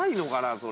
それ。